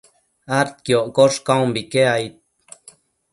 adquioccosh caumbique aid